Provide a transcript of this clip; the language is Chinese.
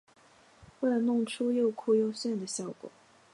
为了弄出又酷又炫的效果